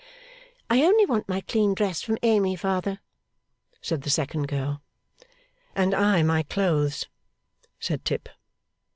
'I only want my clean dress from Amy, father,' said the second girl. 'And I my clothes,' said Tip.